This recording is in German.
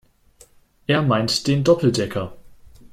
Er meint den Doppeldecker.